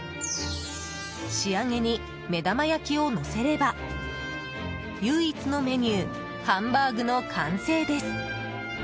仕上げに目玉焼きをのせれば唯一のメニューハンバーグの完成です。